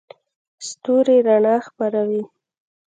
ستوري رڼا خپروي.